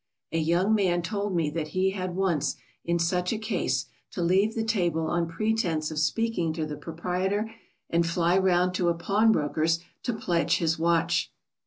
A young man told me that he had once, in such a case, to leave the table on pretence of speaking to the proprietor and fly round to a pawnbroker's to pledge his watch.